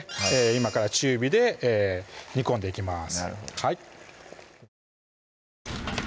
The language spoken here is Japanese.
今から中火で煮込んでいきます